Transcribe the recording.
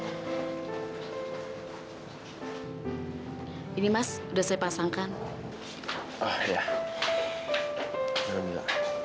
enggak kementerian se trusting clients dari jokowi itu